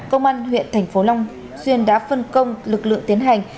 công an huyện tp long xuyên đã phân công lực lượng tiến hành